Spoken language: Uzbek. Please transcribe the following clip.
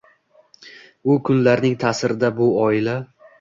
U kunlarning ta’sirida bu oila.